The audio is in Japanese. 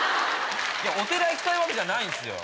お寺行きたいわけじゃないんすよ